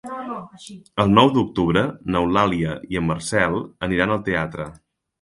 El nou d'octubre n'Eulàlia i en Marcel aniran al teatre.